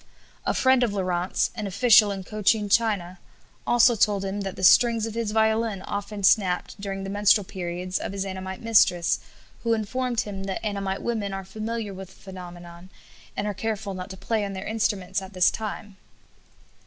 A friend of Laurent's, an official in Cochin China, also told him that the strings of his violin often snapped during the menstrual periods of his Annamite mistress, who informed him that Annamite women are familiar with the phenomenon, and are careful not to play on their instruments at this time.